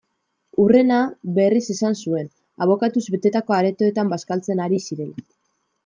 Hurrena, berriz esan zuen, abokatuz betetako aretoan bazkaltzen ari zirela.